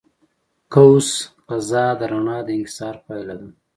قوس قزح د رڼا د انکسار پایله ده.